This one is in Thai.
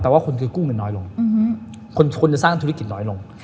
แต่ว่าคนคือกู้เงินน้อยลงคนจะสร้างธุรกิจน้อยลง